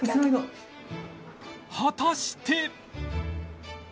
果たして！？